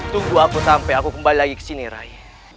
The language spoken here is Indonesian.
tunggu aku sampai aku kembali lagi kesini rai